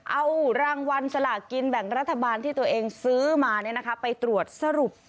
เอารางวัลสลากินแบ่งรัฐบาลที่ตัวเองซื้อมาไปตรวจสรุป